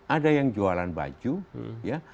ada yang jualan baju ya